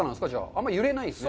あんまり揺れないんですね。